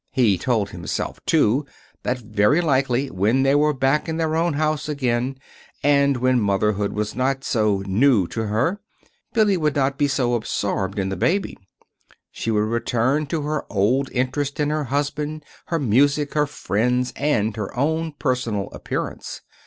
He told himself, too, that very likely when they were back in their own house again, and when motherhood was not so new to her, Billy would not be so absorbed in the baby. She would return to her old interest in her husband, her music, her friends, and her own personal appearance.